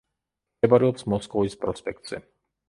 მდებარეობს მოსკოვის პროსპექტზე.